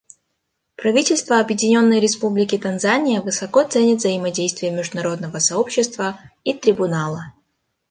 Правительство Объединенной Республики Танзания высоко ценит взаимодействие международного сообщества и Трибунала.